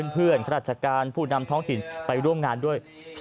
เพื่อนขนาดจักรการผู้นำท้องถิ่นไปร่วมงานด้วย